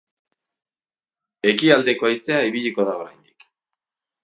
Ekialdeko haizea ibiliko da oraindik.